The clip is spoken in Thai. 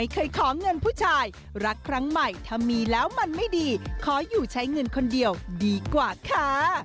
ขออยู่ใช้เงินคนเดียวดีกว่าคะ